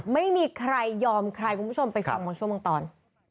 ไม่มีใครยอมใครคุณผู้ชมไปฟังบางช่วงบางตอน